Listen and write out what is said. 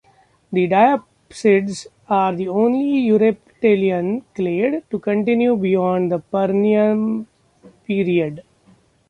The diapsids are the only eureptilian clade to continue beyond the Permian Period.